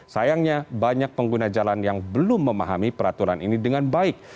sayangnya banyak pengguna jalan yang belum memahami peraturan ini dengan baik